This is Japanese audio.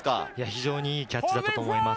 非常にいいキャッチだったと思います。